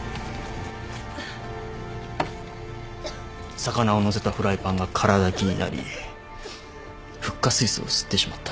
魚をのせたフライパンが空だきになりフッ化水素を吸ってしまった。